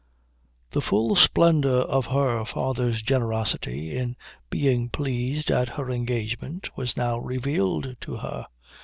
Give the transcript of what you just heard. The full splendour of her father's generosity in being pleased at her engagement was now revealed to her.